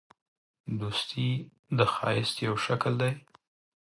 دوستي د ښایست یو شکل دی.